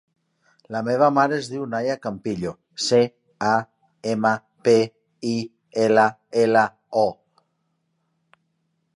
La meva mare es diu Naia Campillo: ce, a, ema, pe, i, ela, ela, o.